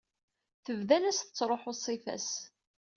Tebda la as-tettṛuḥu ṣṣifa-s.